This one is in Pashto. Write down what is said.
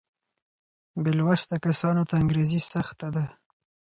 بې لوسته کسانو ته انګرېزي سخته ده.